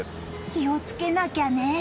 気をつけなきゃね。